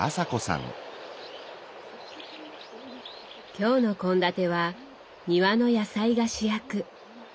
今日の献立は庭の野菜が主役。